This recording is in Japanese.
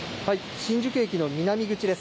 新宿駅の南口です。